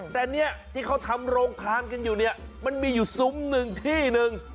แต่เนี่ยที่เขาทำโรงทานกันอยู่เนี่ยมันมีอยู่ซุ้มหนึ่งที่หนึ่ง